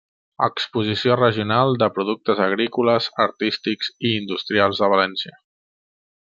Exposició Regional de productes agrícoles, artístics i industrials de València.